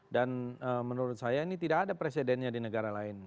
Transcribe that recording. dan menurut saya ini tidak ada presidennya di negara lain